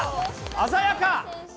鮮やか。